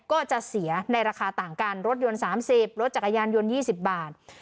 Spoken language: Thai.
ก็จะเสียในราคาต่างกันรถยนต์๓๐รถจักรยานยนต์๒๐บาท